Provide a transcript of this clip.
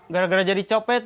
gara gara jadi copet